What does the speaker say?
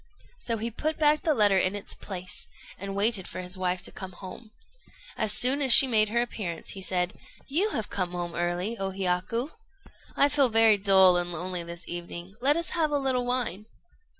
So he put back the letter in its place, and waited for his wife to come home. So soon as she made her appearance he said "You have come home early, O Hiyaku. I feel very dull and lonely this evening; let us have a little wine."